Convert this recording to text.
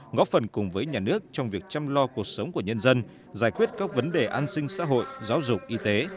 ngóp phần cùng với nhà nước trong việc chăm lo cuộc sống của nhân dân giải quyết các vấn đề an sinh xã hội giáo dục y tế